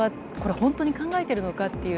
本当に考えているのかという。